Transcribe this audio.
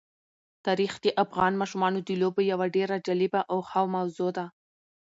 تاریخ د افغان ماشومانو د لوبو یوه ډېره جالبه او ښه موضوع ده.